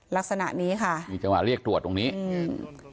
ลักษณะนี้ค่ะมีจังหวะเรียกตรวจตรงนี้อืม